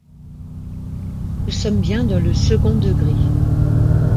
Nous sommes bien dans le second degré.